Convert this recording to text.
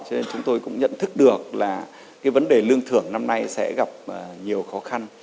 cho nên chúng tôi cũng nhận thức được là cái vấn đề lương thưởng năm nay sẽ gặp nhiều khó khăn